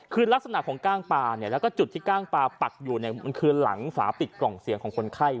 คือลักษณะของก้างปลาและจุดที่ก้างปลาปักอยู่คือหลังฝาปิดกล่องเสียงของคนไข้